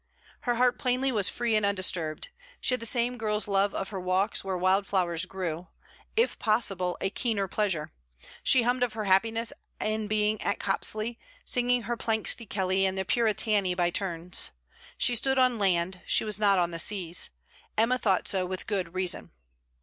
Her heart plainly was free and undisturbed. She had the same girl's love of her walks where wildflowers grew; if possible, a keener pleasure. She hummed of her happiness in being at Copsley, singing her Planxty Kelly and The Puritani by turns. She stood on land: she was not on the seas. Emma thought so with good reason.